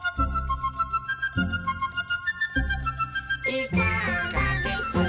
「いかがです」